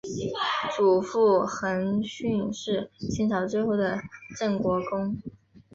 祖父恒煦是清朝最后的镇国公。